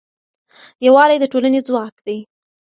یووالی د ټولنې ځواک دی.